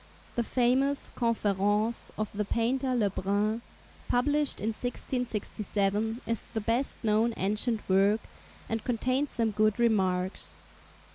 The famous 'Conférences' of the painter Le Brun, published in 1667, is the best known ancient work, and contains some good remarks.